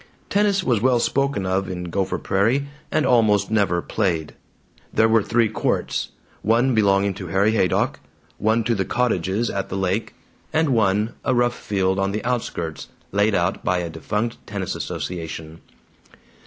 Tennis was well spoken of in Gopher Prairie and almost never played. There were three courts: one belonging to Harry Haydock, one to the cottages at the lake, and one, a rough field on the outskirts, laid out by a defunct tennis association.